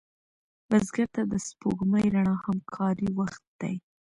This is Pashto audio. بزګر ته د سپوږمۍ رڼا هم کاري وخت دی